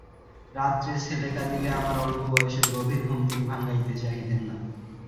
রাত্রে ছেলে কাঁদিলে আমার অল্পবয়সের গভীর ঘুম তিনি ভাঙাইতে চাহিতেন না।